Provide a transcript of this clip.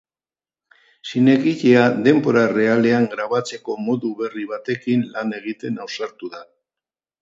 Zinegilea denbora errealean grabatzeko modu berri batekin lan egiten ausartu da.